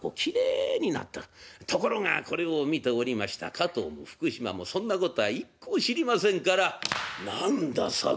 ところがこれを見ておりました加藤も福島もそんなことは一向知りませんから「何だ佐渡。